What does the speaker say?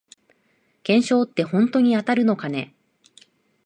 懸賞ってほんとに当たるのかね